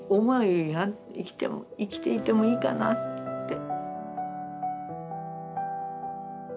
生きても生きていてもいいかなって。